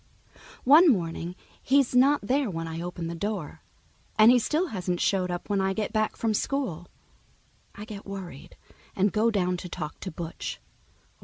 One morning he's not there when I open the door, and he still hasn't showed up when I get back from school. I get worried and go down to talk to Butch.